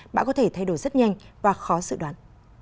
bão có thể thay đổi rất nhanh và khó dự đoán